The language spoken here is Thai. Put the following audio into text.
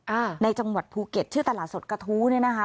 อ่าในจังหวัดภูเก็ตชื่อตลาดสดกระทู้เนี่ยนะคะ